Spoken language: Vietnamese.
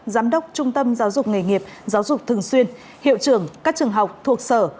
giám đốc trung tâm giáo dục nghề nghiệp giáo dục thường xuyên hiệu trưởng các trường học thuộc sở